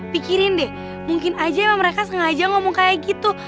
pikirin deh mungkin aja emang mereka sengaja ngomong kayak gitu